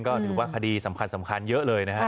ก็ถือว่าคดีสำคัญเยอะเลยนะฮะ